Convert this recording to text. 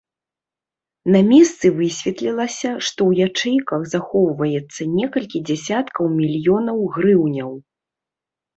На месцы высветлілася, што ў ячэйках захоўваецца некалькі дзясяткаў мільёнаў грыўняў.